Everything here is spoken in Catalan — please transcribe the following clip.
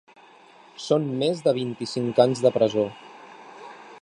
Són més de vint-i-cinc anys de presó.